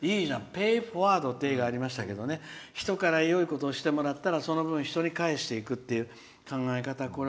「ペイフォワード」っていう映画がありましたけど人からよいことをしたらその分、人に返していく考え方。